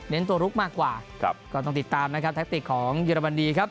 ตัวลุกมากกว่าครับก็ต้องติดตามนะครับแทคติกของเยอรมนีครับ